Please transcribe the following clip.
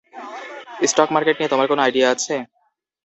Stock market নিয়ে তোমার কোনো আইডিয়া আছে?